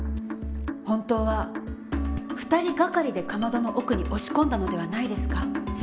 本当は２人がかりでかまどの奥に押し込んだのではないですか？